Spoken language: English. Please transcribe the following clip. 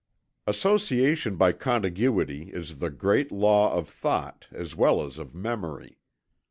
Association by contiguity is the great law of thought, as well as of memory.